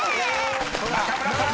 ［中村さん